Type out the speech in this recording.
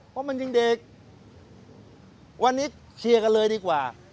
เพราะมันยังเด็กวันนี้เคลียร์กันเลยดีกว่า